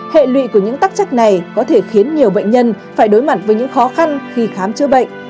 hệ lụy của những tắc trách này có thể khiến nhiều bệnh nhân phải đối mặt với những khó khăn khi khám chữa bệnh